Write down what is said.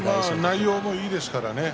内容もいいですからね。